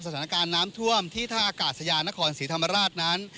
สถานการณ์น้ำท่วมที่ท่าอากาศยานครศรีธรรมราชนั้น